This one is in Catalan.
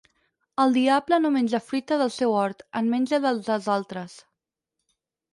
El diable no menja fruita del seu hort, en menja del dels altres.